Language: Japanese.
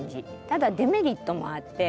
ただデメリットもあって。